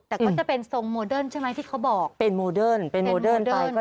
แต่ก็จะเป็นทรงโมเดิร์นใช่ไหมที่เขาบอกเป็นโมเดิร์นเป็นโมเดิร์นไป